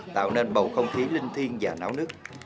tạo nên bầu không khí linh thiên và náo nước